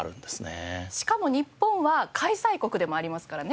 しかも日本は開催国でもありますからね。